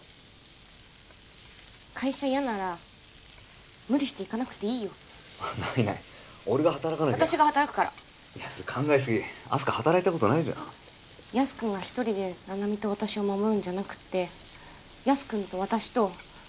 会社イヤなら無理して行かなくていいよないない俺が働かなきゃ私が働くからそれ考え過ぎ明日香働いたことないべヤス君が１人で七海と私を守るんじゃなくてヤス君と私と２人で七海一緒に守るの